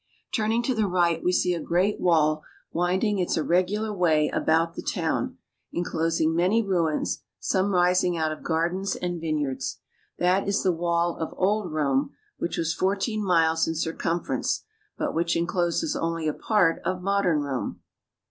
Turning to the right we see a great wall wind ing its irregular way about the town, inclosing many ruins, some rising out of gardens and vineyards. That is the wall of old Rome, which was fourteen miles in circumfer ence, but which incloses only a part of modern Rome.